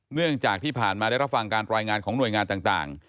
เนื่องจากที่ผ่านมาได้รับฟังการรายงานของหน่วยงานต่าง